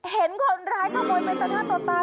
เห็นคนร้ายขโมยไปต่อหน้าต่อตา